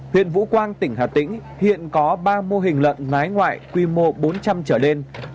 huyện vũ quang tỉnh hà tĩnh hiện có ba mô hình lợn nái ngoại quy mô bốn trăm linh trở lên